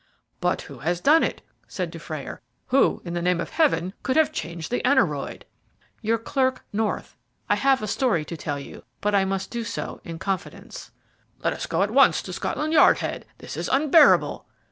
"But who has done it?" said Dufrayer. "Who in the name of Heaven could have changed the aneroid?" "Your clerk, North. I have a story to tell you, but I must do so in confidence." "Let us go at once to Scotland Yard, Head. This is unbearable!"